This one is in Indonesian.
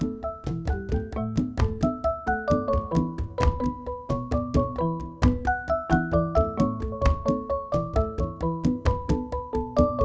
biarda itu berada di rumahnya o